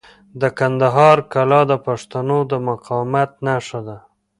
د کندهار کلا د پښتنو د مقاومت نښه ده.